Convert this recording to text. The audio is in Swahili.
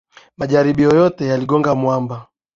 Majaribio yote yaligonga mwaba.